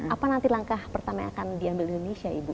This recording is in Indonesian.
apa nanti langkah pertama yang akan diambil indonesia ibu